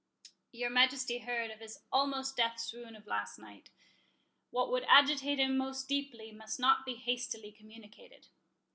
"Your Majesty heard of his almost death swoon of last night—what would agitate him most deeply must not be hastily communicated."